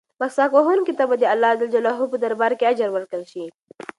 مسواک وهونکي ته به د اللهﷻ په دربار کې اجر ورکړل شي.